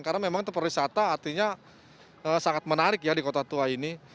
karena memang tempat pariwisata artinya sangat menarik ya di kota tua ini